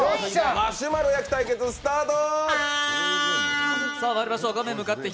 マシュマロ焼き対決スタート！